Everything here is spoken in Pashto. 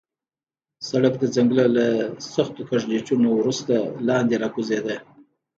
سړک د ځنګله له سختو کږلېچونو وروسته لاندې راکوزېده.